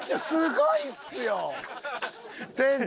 すごいっすよ！